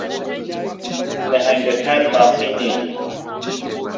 نەھەنگەکان ماسی نین.